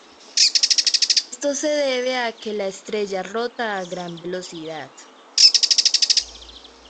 Esto se debe a que la estrella rota a gran velocidad.